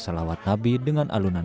menyebut alat nabi dengan alunan